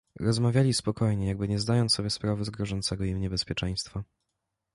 "Rozmawiali spokojnie, jakby nie zdając sobie sprawy z grożącego im niebezpieczeństwa."